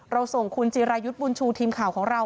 ส่งคุณจิรายุทธ์บุญชูทีมข่าวของเรา